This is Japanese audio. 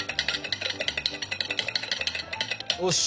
よし。